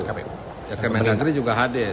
kementerian negeri juga hadir